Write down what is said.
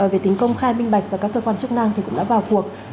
về tính công khai minh bạch và các cơ quan chức năng cũng đã vào cuộc